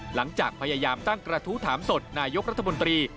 หลังจากพยายามตั้งกระทู้ถามสดนายกรัฐมนตรี